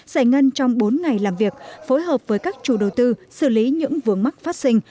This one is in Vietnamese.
giải ngân trong bốn ngày làm việc phối hợp với các chủ đầu tư xử lý những vướng mắc phát sinh